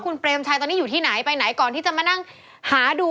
คุณเปรมชัยตอนนี้อยู่ที่ไหนไปไหนก่อนที่จะมานั่งหาดู